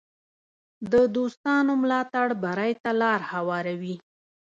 د دوستانو ملاتړ بری ته لار هواروي.